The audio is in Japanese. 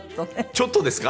ちょっとですか？